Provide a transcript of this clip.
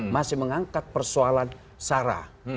masih mengangkat persoalan sarah